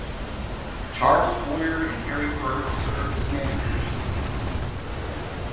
Charles Boyer and Harry Berte served as managers.